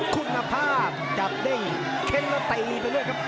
คุณภาพจับเด้งเค้นแล้วตีไปเรื่อยครับ